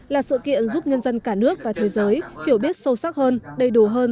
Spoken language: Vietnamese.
là sự kiện giúp nhân dân cả nước và thế giới hiểu biết sâu sắc hơn đầy đủ hơn